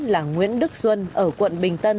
là nguyễn đức xuân ở quận bình tân